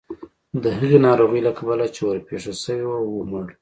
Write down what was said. د هغې ناروغۍ له کبله چې ورپېښه شوې وه ومړ.